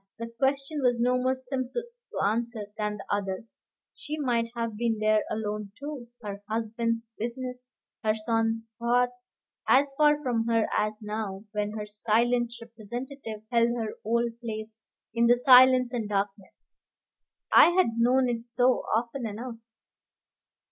the question was no more simple to answer than the other: she might have been there alone too, her husband's business, her son's thoughts, as far from her as now, when her silent representative held her old place in the silence and darkness. I had known it so, often enough.